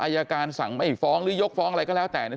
อายการสั่งไม่ฟ้องหรือยกฟ้องอะไรก็แล้วแต่เนี่ย